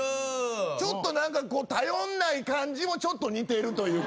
何か頼りない感じもちょっと似てるというか。